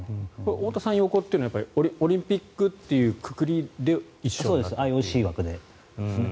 太田さんが横というのはオリンピックというくくりで一緒だった？